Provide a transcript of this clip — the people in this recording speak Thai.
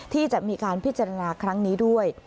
ที่จะมีการพิจารณาครั้งนี้ด้วย